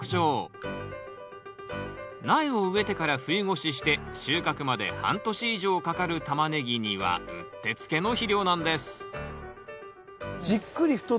苗を植えてから冬越しして収穫まで半年以上かかるタマネギにはうってつけの肥料なんですああ